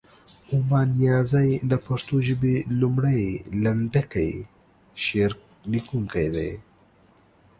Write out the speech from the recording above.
ومان نیازی د پښتو ژبې لومړی، لنډکی شعر لیکونکی دی.